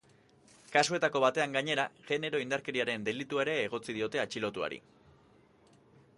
Kasuetako batean, gainera, genero indarkeriaren delitua ere egotzi diote atxilotuari.